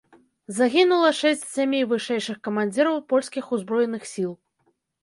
Загінула шэсць з сямі вышэйшых камандзіраў польскіх узброеных сіл.